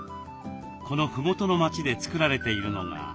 このふもとの町で作られているのが。